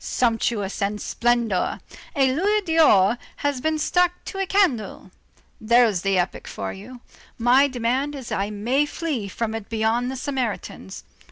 Sumptuousness and splendor. A louis d'or has been stuck to a candle. There's the epoch for you. My demand is that I may flee from it beyond the Sarmatians.